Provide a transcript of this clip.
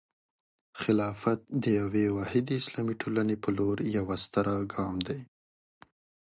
خلافت د یوې واحدې اسلامي ټولنې په لور یوه ستره ګام دی.